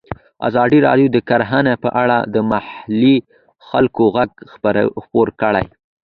ازادي راډیو د کرهنه په اړه د محلي خلکو غږ خپور کړی.